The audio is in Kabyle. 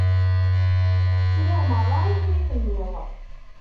Sliɣ merra i kra i tenniḍ